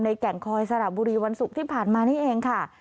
แก่งคอยสระบุรีวันศุกร์ที่ผ่านมานี่เองค่ะ